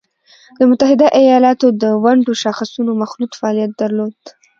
د متحده ایالاتو د ونډو شاخصونو مخلوط فعالیت درلود